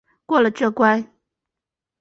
过了这关